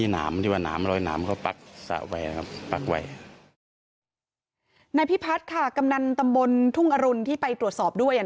นายพิพัฒน์ค่ะกำนันตำบลทุ่งอรุณที่ไปตรวจสอบด้วย